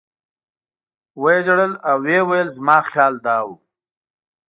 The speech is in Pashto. و یې ژړل او ویې ویل زما خیال دا و.